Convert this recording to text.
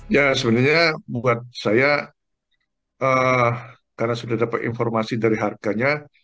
ya sebenarnya buat saya karena sudah dapat informasi dari harganya